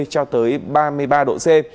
cho tới ba mươi ba độ c